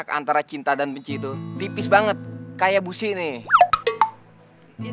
antara cinta dan benci itu tipis banget kayak busi nih